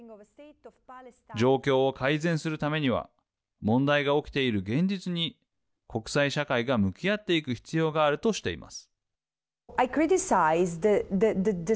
状況を改善するためには問題が起きている現実に国際社会が向き合っていく必要があるとしています。